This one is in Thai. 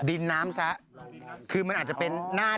ดินน้ำซะคือมันอาจจะเป็นหน้า